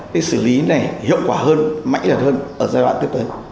để xử lý này hiệu quả hơn mãnh đạt hơn ở giai đoạn tiếp tới